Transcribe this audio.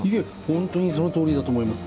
本当にそのとおりだと思います。